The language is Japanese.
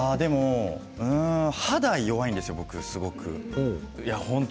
肌が弱いんです、すごく。